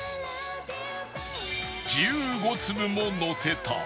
１５粒ものせた